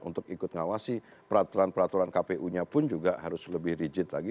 untuk ikut ngawasi peraturan peraturan kpu nya pun juga harus lebih rigid lagi